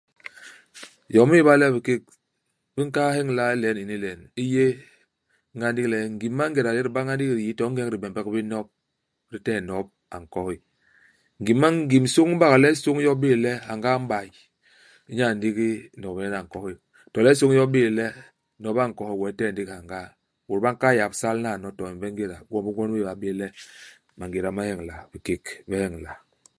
Yom i ñéba le bikék bi nkahal nheñla ilen ini len i yé nga ndigi le, ngim i mangéda di yé di ba nga ndigi di yii, to ingeñ di bembek bé nop, di tehe nop a nkohi. Ngim i mang ngim i sôñ i bak le i sôñ yo i bé'é le hyangaa hi mbay, u nyaa ndigi nop nyen a nkohi. To le isôñ yo i bé'é le nop a nkohi, we u tehe ndigi hyangaa. Bôt ba nkahal yap sal naano to imbe ngéda. Igwom bi gwon bi ñéba bes le mangéda ma nheñla ; bikék bi nhéñla.